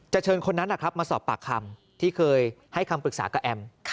เชิญคนนั้นมาสอบปากคำที่เคยให้คำปรึกษากับแอม